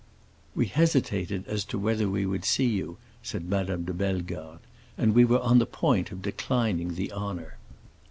"We hesitated as to whether we would see you," said Madame de Bellegarde; "and we were on the point of declining the honor.